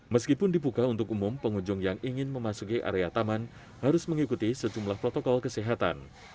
meskipun dibuka untuk umum pengunjung yang ingin memasuki area taman harus mengikuti sejumlah protokol kesehatan